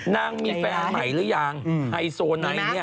นางมีแฟนใหม่หรือยังไฮโซไนท์เนี่ย